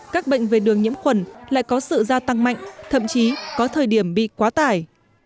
các bệnh về đường nhiễm khuẩn lại có sự gia tăng mạnh thậm chí có thời điểm bị quá tải